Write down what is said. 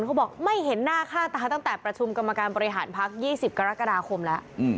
เขาบอกไม่เห็นหน้าค่าตาตั้งแต่ประชุมกรรมการบริหารพัก๒๐กรกฎาคมแล้ว